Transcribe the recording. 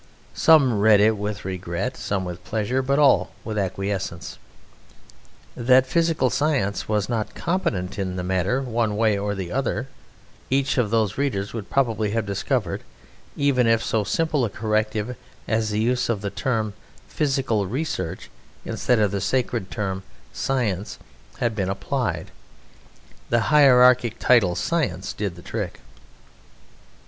Some read it with regret, some with pleasure, but all with acquiescence. That physical science was not competent in the matter one way or the other each of those readers would probably have discovered, if even so simple a corrective as the use of the term "physical research" instead of the sacred term "science" had been applied; the hierarchic title "Science" did the trick.